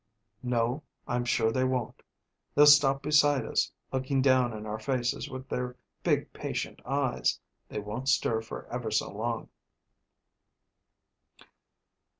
"No; I'm sure they won't. They'll stop beside us, looking down in our faces with their big, patient eyes. They won't stir for ever so long."